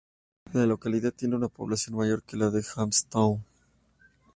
La localidad tiene una población mayor que la de Jamestown.